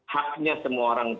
haknya semua orang